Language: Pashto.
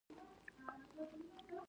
د شخصیت ساتنه په پام کې ونیول شوه.